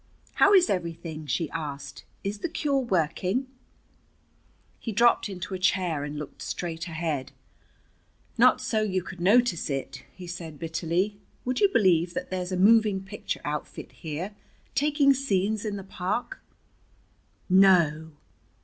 "How is everything?" she asked. "Is the cure working?" He dropped into a chair and looked straight ahead. "Not so you could notice it!" he said bitterly. "Would you believe that there's a moving picture outfit here, taking scenes in the park?" "No!"